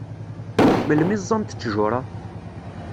Melmi ẓẓant ttjur-a?